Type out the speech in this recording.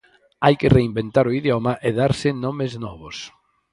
Hai que reinventar o idioma e darse nomes novos.